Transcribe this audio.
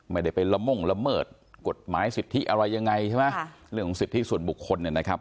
ไม่ได้ไปละม่งละเมิดกฎหมายสิทธิอะไรยังไงใช่ไหมเรื่องของสิทธิส่วนบุคคลเนี่ยนะครับ